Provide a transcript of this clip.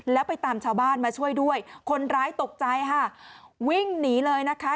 แล้วไปตามชาวบ้านมาช่วยด้วยคนร้ายตกใจค่ะวิ่งหนีเลยนะคะ